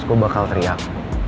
terus gue bakal teriak